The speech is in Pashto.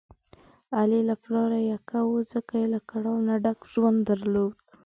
علي له پلاره یکه و، ځکه یې له کړاو نه ډک ژوند درلود.